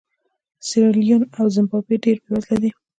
سیریلیون او زیمبابوې ډېر بېوزله دي.